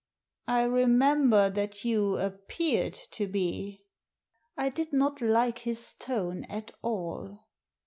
" I remember that you appeared to be." I did not like his tone at all.